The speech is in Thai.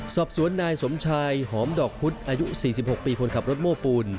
สอบสวนนายสมชายหอมดอกพุธอายุ๔๖ปีคนขับรถโม้ปูน